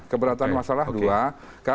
keberatan masalah dua